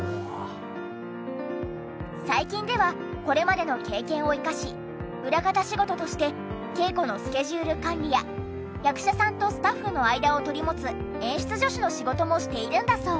最近ではこれまでの経験を生かし裏方仕事として稽古のスケジュール管理や役者さんとスタッフの間を取り持つ演出助手の仕事もしているんだそう。